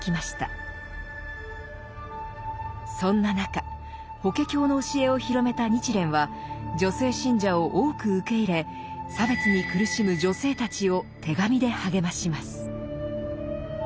そんな中「法華経」の教えを広めた日蓮は女性信者を多く受け入れ差別に苦しむ女性たちを手紙で励まします。